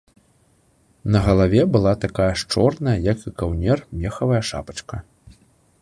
На галаве была такая ж чорная, як і каўнер, мехавая шапачка.